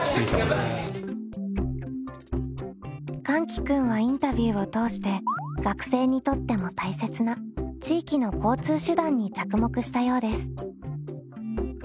かんき君はインタビューを通して学生にとっても大切な地域の交通手段に着目したようです。